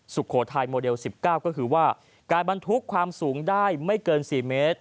สุโขทัยโมเดล๑๙ก็คือว่าการบรรทุกความสูงได้ไม่เกิน๔เมตร